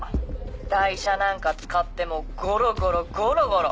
台車なんか使ってもうゴロゴロゴロゴロ。